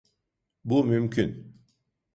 Bu mümkün.